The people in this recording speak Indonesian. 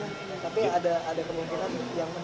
tapi ada kemungkinan yang menemani pak pak